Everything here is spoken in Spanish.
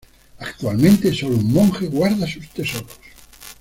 Actualmente, sólo un monje guarda sus tesoros.